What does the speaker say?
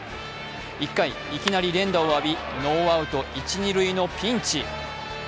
１回、いきなり連打を浴びノーアウト一・二塁のピンチ。